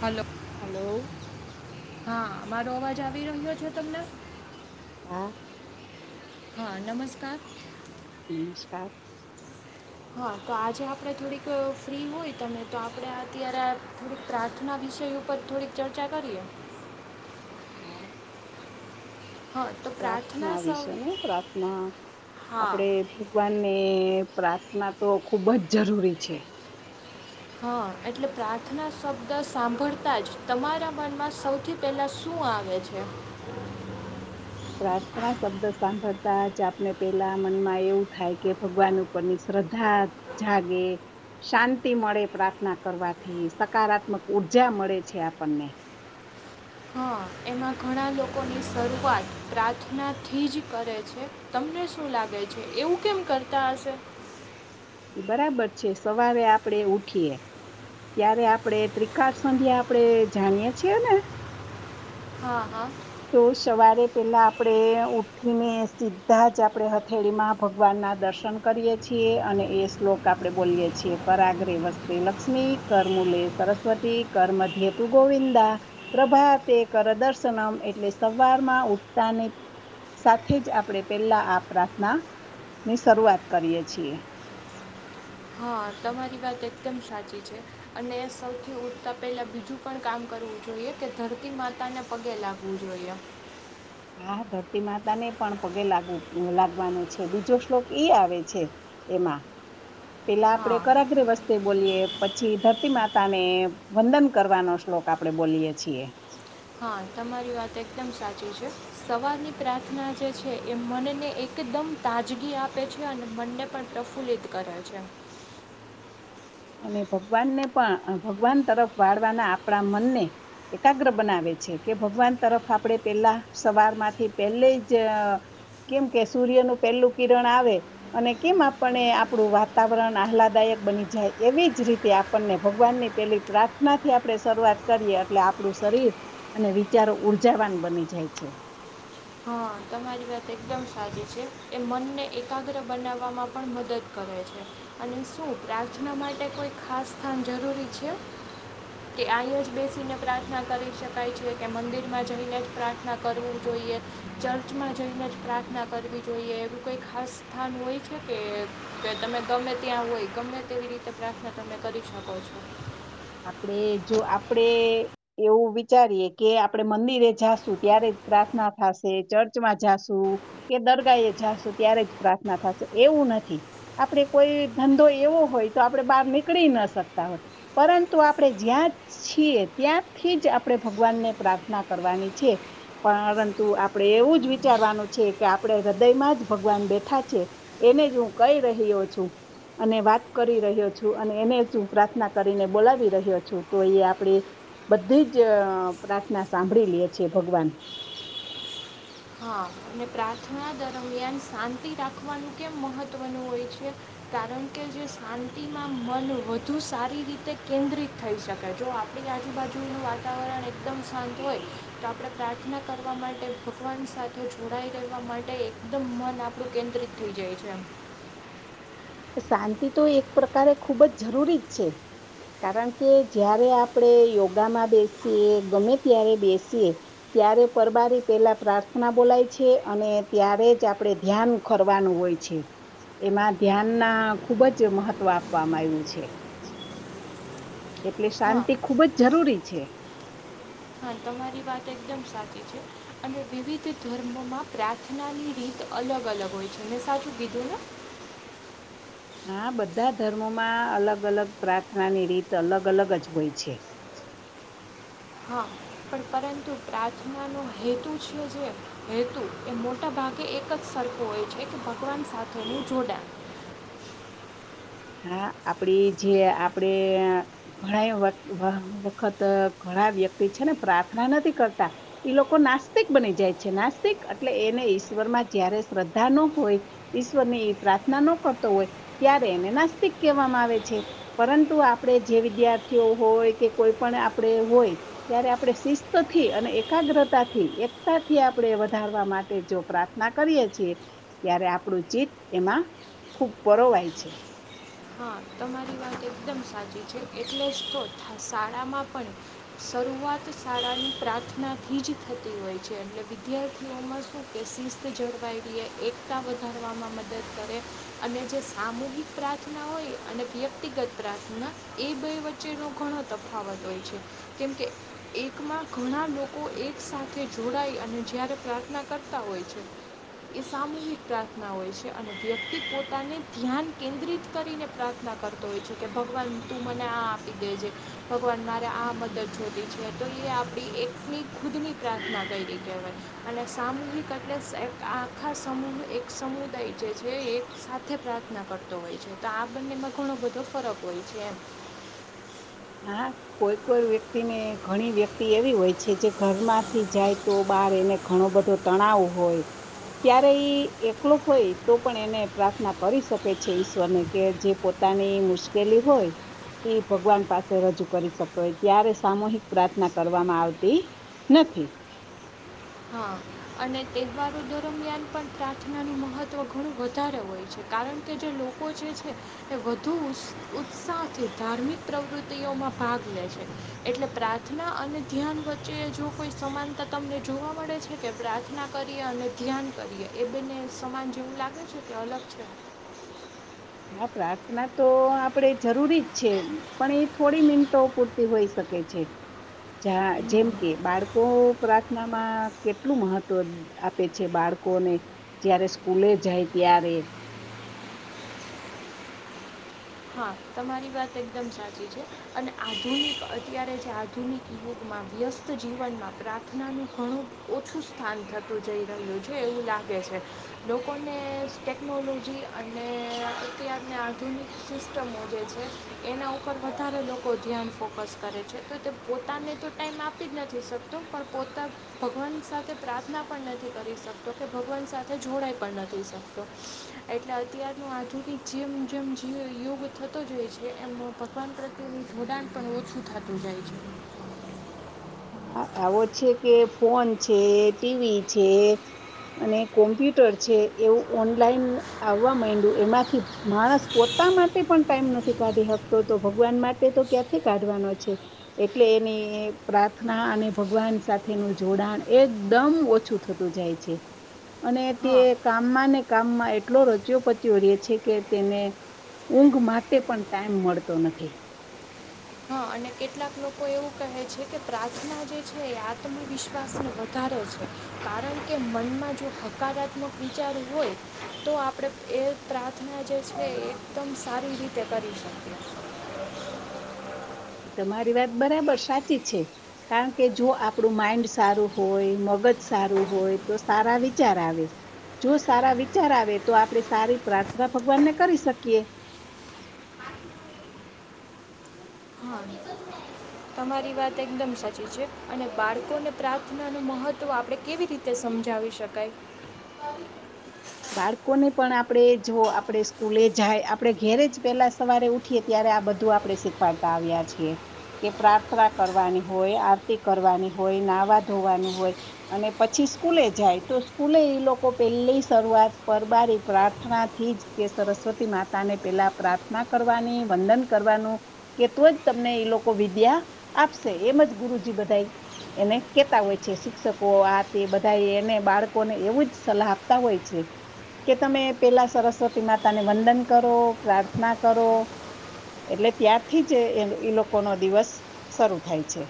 Hello hello હા અમારો અવાજ આવી રહ્યો છે તમને હા હા નમસ્કાર નમસ્કાર હા તો આજે આપણે થોડીક ફ્રી હોય તમે તો આપણે અત્યારે થોડીક પ્રાર્થના વિષય ઉપર થોડીક ચર્ચા કરીએ હા હા તો પ્રાર્થના સૌ વિશે ને પ્રાર્થના હા આપણેે ભગવાનને પ્રાર્થના તો ખુબ જ જરૂરી છે હા એટલે પ્રાર્થના શબ્દ સાંભળતા જ તમારા મનમાં સૌથી પહેલા શું આવે છે પ્રાર્થના શબ્દ સાંભળતા જ આપને પેલા મનમાં એવું થાય કે ભગવાન ઉપરની શ્રદ્ધા જાગે શાંતિ મળે પ્રાર્થના કરવાથી સકારાત્મક ઉઊર્જા મળે છે આપણને હા એમાં ઘણા લોકોની શરૂઆત પ્રાર્થના થી જ કરે છે તમને શું લાગે છે એવું કેમ કરતા હશે બરાબર છે સવારે આપણેે ઉઠીએ ત્યારે આપણે ત્રિકાળ સંધ્યા આપણેે જાણીય છીએ ને હા હા તો સવારે પેલા આપણેે ઉઠીને સીધા જ આપણે હથેળીમાં ભગવાન ના દર્શન કરીય છીએ અને એ શ્લોક આપણે બોલીય છીએ કરાગ્ર વસ્તે લક્ષ્મી કરમૂલે સરસ્વતી કર મધ્યે તુ ગોવિંદા પ્રભા તે કર દર્શનમ એટલે સવારમાં ઉઠતાની સાથે જ આપણે પેલા આ પ્રાર્થના ની શરૂઆત કરીએ છીએ હા તમારી વાત એકદમ સાચી છે અને સૌથી ઉથતા પહેલાં બીજું પણ કામ કરવું જોઈએ કે ધરતી માતાને પગે લાગવું જોઈએ હા ધરતી માતા ને પણ પગે લાગ લાગવાનો છે બીજો શ્લોક ઈ આવે છે એમાં એટલે હા આપડે કરાગ્ર વસ્તે બોલીએ પછી ધરતી માતાને વંદન કરવાનો શ્લોક આપણે બોલીય છીએ હા તમારી વાત એકદમ સાચી છે સવારની પ્રાર્થના જે છે એ મનને એકદમ તાજગી આપે છે અને મનને પણ પ્રફુલ્લિત કરે છે અને ભગવાનને પણ ભગવાન તરફ વાળવાના આપણા મનને એકાગ્ર બનાવે છે કે ભગવાન તરફ આપણે પેલા સવાર માંથી પહેલે જ કેમ કે સૂર્યનું પહેલું કિરણ આવે અને કેમ આપને આપણું વાતાવરણ આહલાદાયક બની જાય એવી જ રીતે આપણને ભગવાનની પેલી પ્રાર્થના થી આપણે શરૂઆત કરીએ એટલે આપણું શરીર અને વિચારો ઉર્જાવાન બની જાય છે હા તમારી વાત એકદમ સચી છે એ મનને એકાગ્ર બનાવવામાં પણ મદદ કરે છે અને શું પ્રાર્થના માટે કોઈ ખાસ સ્થાન જરૂરી છે કે ઐયાજ બેસીને પ્રાર્થના કરી શકાય છે કે મંદિરમાં જઈને જ પ્રાર્થના કરવું જોઈએ ચર્ચમાં જઈને જ પ્રાર્થના કરવી જોઈએ એવું કઈ ખાસ સ્થાન હોય છે કે તમે ગમે ત્યાં હોય ગમે તેવી રીતે પ્રાર્થના તમે કરી શકો છો આપણે જો આપડે એવું વિચારીએ કે આપણે મંદિરે જાશું ત્યારે જ પ્રાર્થના થશે ચર્ચમાં જાશું કે દરગા એ જાશું ત્યારે જ પ્રાર્થના થશે એવું નથી આપડે કોઈ ધંધો એવો હોય તો આપણે બહાર નીકળી ના શકતા હોય પરંતુ આપણે જ્યાં જ છીએ ત્યાંથી જ આપણે ભગવાનને પ્રાર્થના કરવાની છે પરંતુ આપણેે એવું જ વિચારવાનું છે કે આપણે હૃદયમાં જ ભગવાન બેઠા છે એને જ હું કહી રહ્યો છું અને વાત કરી રહ્યો છું અને એને જ હું પ્રાર્થના કરીને બોલાવી રહ્યો છું તો એ આપણે બધી જ પ્રાર્થના સાંભળી લે છેએ ભગવાન હા અને પ્રાર્થના દરમિયાન શાંતિ રાખવાનું કેમ મહત્ત્વનું હોય છે કારણ કે જે શાંતિમાં મન વધુ સારી રીતે કેન્દ્રિત થઈ શકે જો આપણી આજુબાજુનું વાતાવરણ એકદમ શાંત હોય તો આપણે પ્રાર્થના કરવા માટે [unintelligible] સાથે જોડાઈ રહેવા માટે એકદમ મન આપડું કેન્દ્રિત થઈ જાય છે શાંતિ તો એક પ્રકારે ખૂબ જ જરૂરી જ છે કારણ કે જ્યારે આપણે યોગામાં બેસીએ ગમે ત્યારે બેસીએ ત્યારે પરબારી પેલા પ્રાર્થના બોલાય છે અને ત્યારે જ આપણે ધ્યાન કરવાનું હોય છે એમાં ધ્યાનના ખૂબ જ મહત્વ આપવામાં આવ્યું છે એટલે હા શાંતિ ખૂબ જ જરૂરી છે. હા તમારી વાત એકદમ સાચી છે અને વિવિધ ધર્મોમાં પ્રાર્થનાની રીત અલગ અલગ હોય છે મે સાચું કીધું ને હા બધા ધર્મોમાં અલગ અલગ પ્રાર્થનાની રીત અલગ અલગ જ હોય છે. હા પણ પરંતુ પ્રાર્થનાનો હેતુ છે જે હેતુ એ મોટાભાગે એક જ સરખો હોય છે કે ભગવાન સાથેનું જોડાણ. હા આપડી જે આપડે ઘણા વખત ઘણા વ્યક્તિ છે ને પ્રાર્થના નથી કરતા ઈ લોકો નાસ્તિક બની જાય છે નાસ્તિક એટલે એને ઈશ્વર માં જયારે શ્રદ્ધા ન હોય ઈશ્વરની પ્રાર્થના ન કરતો હોય ત્યારે એને [unintelligible] આવે છે પરંતુ આપણે જે વિદ્યાર્થીઓ હોય કે કોઈ પણ આપણે હોય ત્યારે આપણે શિસ્તથી અને એકાગ્રતાથી એકતાથી આપણે વધારવા માટે જો પ્રાર્થના કરીએ છીએ ત્યારે આપણું ચીત એમાં ખૂબ પરોવાય છે. [unintelligible] તમારી વાત એકદમ સાચી છે એટલે જ તો શાળામાં પણ શરૂઆત શાળાની પ્રાર્થનાથી જ થતી હોય છે એટલે વિદ્યાર્થીઓમાં શું કે શિસ્ત જળવાઈ રહે એકતા વધારવામાં મદદ કરે અને જે સામૂહિક પ્રાર્થના હોય અને વ્યક્તિગત પ્રાર્થના એ બે વચ્ચેનો ઘણો તફાવત હોય છે કેમકે એકમાં ઘણા લોકો એક સાથે જોડાઈ અને જ્યારે પ્રાર્થના કરતા હોય છે એ સામૂહિક પ્રાર્થના હોય છે અને વ્યક્તિ પોતાને ધ્યાન કેન્દ્રિત કરી પ્રાર્થના કરતો હોય છે કે ભગવાન તું મને આ આપી દેજે ભગવાન મારે આ મદદ જોતી છે તો એ આપણી એકની ખુદની પ્રાર્થના કરી કહેવાય અને સામૂહિક એટલે આખા સમૂહ એક સમુદાય જે છે એક સાથે પ્રાર્થના કરતો હોય છે બંનેમાં ઘણો બધો ફરક હોય છે એમ હા કોઈ કોઈ વ્યક્તિ ને ઘણી વ્યક્તિ એવી હોય છે જે ઘરમાંથી જાય તો બાર એને ઘણો બધો તણાવ હોય ત્યારે એ એકલો હોય તો પણ એને પ્રાર્થના કરી શકે છે ઈશ્વર ને કે જે પોતાની મુશ્કેલી હોય એ ભગવાન પાસે રજૂ કરી શકો ત્યારે સામૂહિક પ્રાર્થના કરવામાં આવતી નથી. હા અને તહેવારો દરમિયાન પણ પ્રાર્થનાનું મહત્ત્વ ઘણું વધારે હોય છે કારણ કે જે લોકો જે છે એ વધુ ઉત્સાહથી ધાર્મિક પ્રવૃત્તિઓમાં ભાગ લે છે એટલે પ્રાર્થના અને ધ્યાન વચ્ચે જો કોઈ સમાનતા તમને જોવા મ પડે છે કે પ્રાર્થના કરીએ અને ધ્યાન કરીએ એ બંને સમાન જેવું લાગે છે કે અલગ છે. હા પ્રાર્થના તો આપણેે જરૂરી જ છે પણ એ થોડી મિનટો પૂરતી હોઈ શકે છે. જેમ કે બાળકો સ્માં કેટલું મહત્વ આપે છે બાળકોને જ્યારે સ્કૂલે જાય ત્યારે હા તમારી વાત એકદમ સાચી છે અને આધુનિક અત્યારે જે [unintelligible] જીવનમાં પ્રાર્થનાનું ઘણું ઓછું સ્થાન થતું જઈ રહ્યું છે એવું લાગે છે લોકોને ટેકનોલોજી અને અત્યારને આધુનિક સિસ્ટમો જે છે એના ઉપર વધારે લોકો ધ્યાન ફોકસ કરે છે તો તે પોતાને તો ટાઈમ આપી જ નથી શકતો પણ પોતા ભગવાન સાથે પ્રાર્થના પણ નથી કરી શકતો કે ભગવાન સાથે જોડાઈ પણ નથી શકતો એટલે અત્યારનું આધુનિક જેમ જેમ યોગ થતો જ હોય છે એમનો ભગવાન પ્રત્યેનું જોડાણ પણ ઓછું થતું જાય છે. હ આવો છે કે ફોન છે ટીવી છે અને કોમ્પ્યુટર છે એવું ઓનલાઈન આવવા માંડ્યું એમાંથી માણસ પોતા માટે પણ ટાઈમ નથી કાઢી શકતો તો ભગવાન માટે તો ક્યાંથી કાઢવાનો છે એટલે એને પ્રાર્થના અને ભગવાન સાથેનું જોડાણ એકદમ ઓછું થતું જાય છે અને તે હા કામમાં ને કામમાં એટલો રચ્યો પચ્યો રહેે છે કે તેને ઊંઘ માટે પણ ટાઈમ મળતો નથી. હા અને કેટલાક લોકો એવું કહે છે કે પ્રાર્થના જે છે એ આત્મવિશ્વાસને વધારે છે કારણ કે મનમાં જો હકારાત્મક વિચાર હોય તો આપણે એ પ્રાર્થના જે છે એકદમ સારી રીતે કરી શકીએ. તમારી વાત બરાબર સાચી છે કારણ કે જો આપણું માઈન્ડ સારું હોય મગજ સારું હોય તો સારા વિચાર આવે જો સારા વિચાર આવે તો આપણે સારી પ્રાર્થના ભગવાનને કરી શકીએ. હા તમારી વાત એકદમ સાચી છે અને બાળકોને પ્રાર્થના નું મહત્વ આપણે કેવી રીતે સમજાવી શકાય. બાળકોને પણ આપણેે જો આપણે સ્કૂલે જાય આપણે ઘેરે જ પેલા સવારે ઉઠીએ ત્યારે આ બધું આપણે શીખવાડતા આવ્યા છીએ કે પ્રાર્થના કરવાની હોય આરતી કરવાની હોય નાહવા ધોવાનું હોય અને પછી સ્કૂલે જાય તો સ્કૂલે એ લોકો પેલા શરૂઆત પરબારી પ્રાર્થના થી જ કે સરસ્વતી માતા ને પેલા પ્રાર્થના કરવાની વંદન કરવાનું કે તો જ તમને એ લોકો વિદ્યા આપશે એમ જ ગુરુજી બધા એને કેતા હોય છે શિક્ષકો આ તે બધા એને બાળકોને એવું જ સલાહ તા હોય છે, કે તમે પેલા સરસ્વતી માતા ને વંદન કરો, પ્રાર્થના કરો, એટલે ત્યારથી જ એ-એ લોકોનો દિવસ શરૂ થાય છે.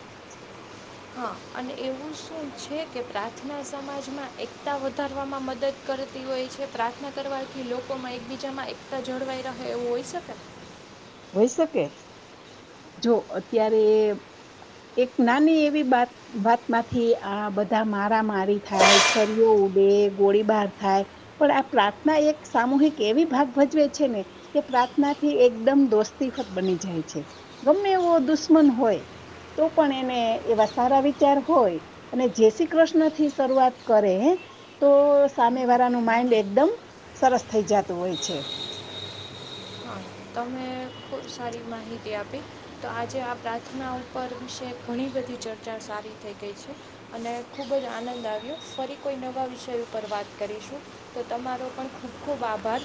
હા અને એવું શું છે કે પ્રાર્થના સમાજમાં એકતા વધારવામાં મદદ કરતી હોય છે, પ્રાર્થના કરવાથી લોકોમાં એકબીજામાં એકતા જળવાઈ રહે એવું હોય શકે? હોય શકે, જો અત્યારે એ એક નાની એવી બાત વાત માંથી આ બધા મારા મારી થાય, છરીઓ ઉડે, ગોળીબાર થાય, પણ આ પ્રાર્થના એક સામૂહિક એવી ભાગ ભજવે છે ને કે પ્રાર્થના થી એકદમ [unintelligible] ખત બની જાય છે, ગમે એવો દુશ્મન હોય તો પણ એને એવા સારા વિચાર હોય અને જે શ્રી કૃષ્ણ થી શરૂઆત કરે તો સામે વાળાનું માઈન્ડ એકદમ સરસ થઈ જતું હોય છે. હા તમે ખૂબ સારી માહિતી આપી તો આજે આ પ્રાર્થના ઉપર વિશે ઘણી બધી ચર્ચા સારી થઈ ગય છે, અને ખૂબ જ આનંદ આવ્યો ફરી કોઈ નવા વિષય ઉપર વાત કરીશું, તો તમારો પણ ખૂબ-ખૂબ આભાર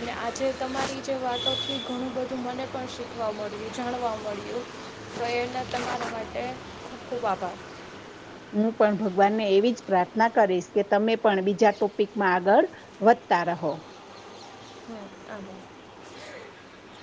અને આજે તમારી જે વાતો [unintelligible] ઘણું બધું મને પણ શીખવા મળ્યું, જાણવા મળ્યું તો એને તમારા માટે ખૂબ ખૂબ આભાર. હું પણ ભગવાનને એવી જ પ્રાર્થના કરીશ કે તમે પણ બીજા ટોપિકમાં આગળ વધતા રહો. [unintelligible]